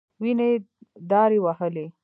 وينې دارې وهلې.